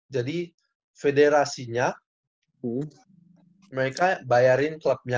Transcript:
jadi federasinya mereka bayarin klubnya